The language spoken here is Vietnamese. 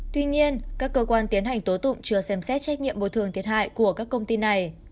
tuy nhiên các cơ quan tiến hành tố tụng chưa xem xét trách nhiệm bồi thường thiệt hại của các công ty này